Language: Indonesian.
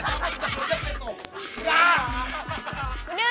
selesai sedot ojeknya tuh